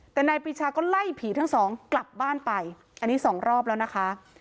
แต่นายปีชาก็ไล่ผีทั้งสองกลับบ้านไปอันนี้สองรอบแล้วนะคะ